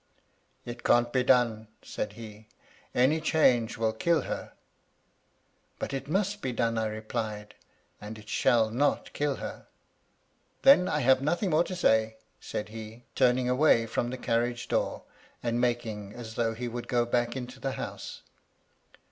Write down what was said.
" *It can't be done/ said he. * Any change will kill her.' "* But it must be done,' I replied. * And it shall not kill her.' *Then I have nothing more to say,' said he, turn ing away firom the carriage 4oor, and making as though he would go back into the house.